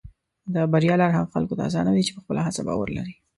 د بریا لار هغه خلکو ته اسانه وي چې په خپله هڅه باور لري.